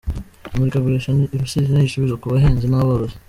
Imurikagurisha irusizi nigisubizo ku bahinzi n’aborozi